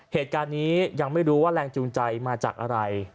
เหตุการณ์นี้ยังไม่รู้ว่าแรงจูงใจมาจากอะไร